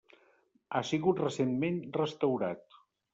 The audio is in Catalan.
Ha sigut recentment restaurat.